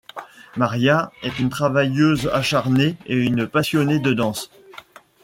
Maria est une travailleuse acharnée et une passionnée de danse.